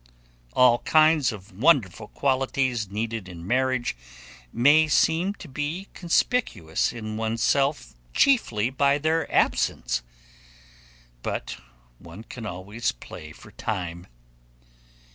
All kinds of wonderful qualities needed in marriage may seem to be conspicuous in oneself chiefly by their absence, but one can always play for time.